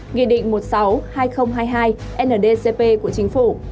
nghị định một mươi sáu hai nghìn hai mươi hai ndcp của chính phủ